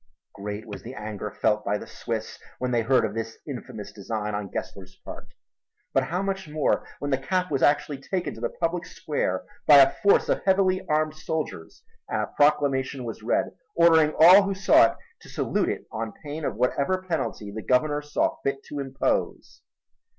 Great was the anger felt by the Swiss when they heard of this infamous design on Gessler's part but how much more when the cap was actually taken to the public square by a force of heavily armed soldiers and a proclamation was read ordering all who saw it to salute it on pain of whatever penalty the Governor saw fit to impose!